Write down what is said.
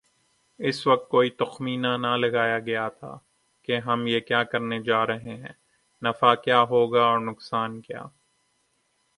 اس وقت کوئی تخمینہ نہ لگایاگیاتھا کہ ہم یہ کیا کرنے جارہے ہیں‘ نفع کیا ہوگا اورنقصان کیا۔